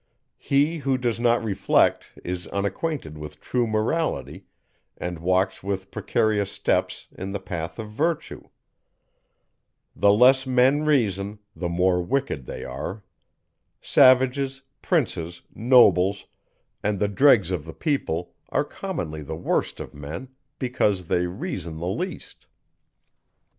He, who does not reflect, is unacquainted with true Morality, and walks with precarious steps, in the path of virtue. The less men reason, the more wicked they are. Savages, princes, nobles, and the dregs of the people, are commonly the worst of men, because they reason the least.